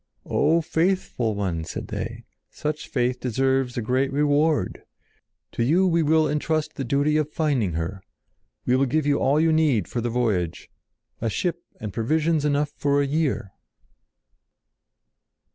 "O faithful one!" said they. "Such faith deserves a great reward. To you we will entrust the duty of finding her. We will give you all you need for the voyage—a ship and provisions enough for a year!"